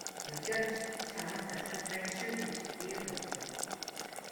Болиоч чамаас залхаж байна шүү гэж би уурлав.